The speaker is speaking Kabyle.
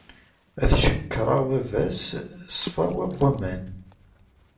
Ad cekkreɣ baba-s, ṣfawa n waman.